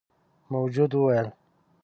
موجود وويل: